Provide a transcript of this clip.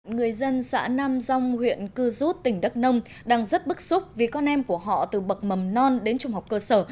người dân xã nam rong huyện cư rút tỉnh đắk nông đang rất bức xúc vì con em của họ từ bậc mầm non đến trung học cơ sở